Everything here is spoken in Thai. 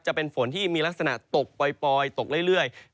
จะเป็นฝนที่มีลักษณะตกปล่อยตกเรื่อย